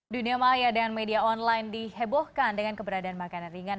dunia maya dan media online dihebohkan dengan keberadaan makanan ringan